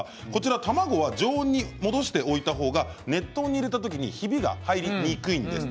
卵は常温に戻しておいた方が熱湯に入れた時にひびが入りにくいんです。